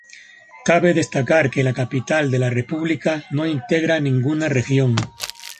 Cabe destacar que la capital de la república no integra ninguna región.